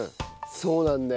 そうなんだよ。